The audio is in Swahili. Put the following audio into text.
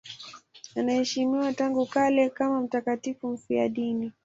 Anaheshimiwa tangu kale kama mtakatifu mfiadini.